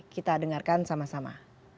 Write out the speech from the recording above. kita dengarkan sama sama